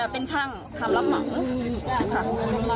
เป็นช่างทำรับเหมาค่ะ